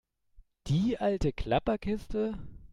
Die alte Klapperkiste?